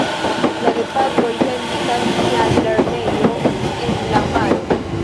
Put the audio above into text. La gepatroj sendis min al lernejo en la maro.